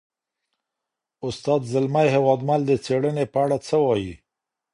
استاد زلمی هېوادمل د څېړني په اړه څه وایي؟